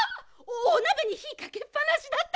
おなべにひかけっぱなしだった！